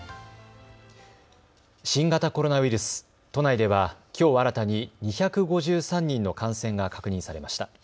新型コロナウイルス、都内では、きょう新たに２５３人の感染が確認されました。